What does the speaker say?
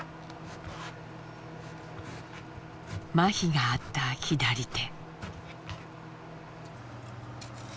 まひがあった左手。